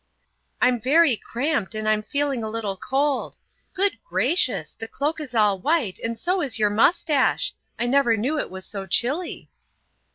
"I'm very cramped, and I'm feeling a little cold. Good gracious! the cloak is all white, and so is your moustache! I never knew it was so chilly."